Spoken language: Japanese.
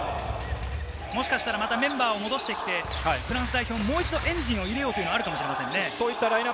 またメンバーを戻してきて、フランス代表はエンジンを入れようというのはあるかもしれませんね。